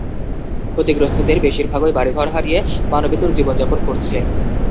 ক্ষতিগ্রস্তদের বেশিরভাগই বাড়িঘর হারিয়ে মানবেতর জীবন যাপন করছে।